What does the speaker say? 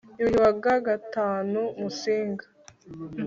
yuhi wa gagatanu musinga